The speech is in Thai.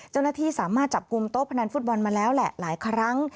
เจ้าหน้าที่สามารถจับกลุ่มโต๊ะพนันฟุตบอลมาแล้วแหละหลายครั้ง